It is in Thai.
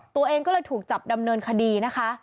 ตัวเองก็เลยถูกจับดำเนินคดีนะคะ